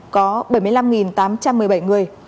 có bảy mươi năm tám trăm một mươi bảy người